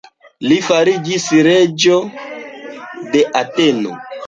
Li fariĝis reĝo de Ateno.